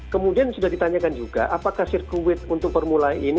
kemudian sudah ditanyakan juga apakah sirkuit untuk formula e ini